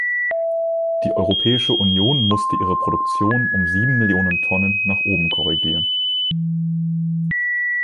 Die Europäische Union musste ihre Produktion um sieben Millionen Tonnen nach oben korrigieren.